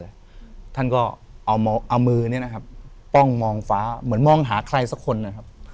ท่านก็เอามือเนี่ยนะครับป้องมองฟ้าเหมือนมองหาใครสักคนนะครับ